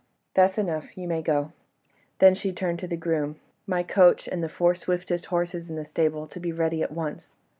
"That's enough. You may go." Then she turned to the groom: "My coach and the four swiftest horses in the stables, to be ready at once."